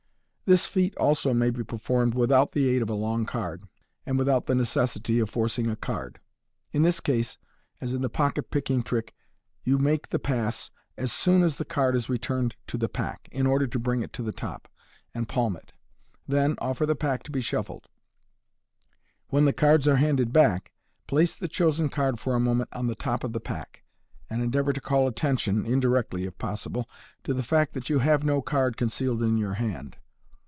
This feat also may be performed without the aid of a long card, and without the necessity of forcing a card. In this case, as in the pocket picking trick, you make the pass as soon as the card is re turned to the pack, in order to bring it to the top, and palm it} then offer the pack to be shuffled. When the cards are handed back, place the chosen card for a moment on the top of the pack, and endeavour to call attention — indirectly, if possible — to the fact that you have no card concealed in your hand.